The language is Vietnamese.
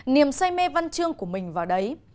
niềm say mê văn chương của mình vào đấy